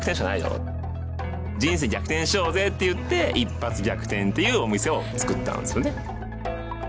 人生逆転しようぜって言って一発逆転っていうお店を作ったんですよね。